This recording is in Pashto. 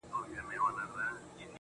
زما د اوښکو په سمار راته خبري کوه.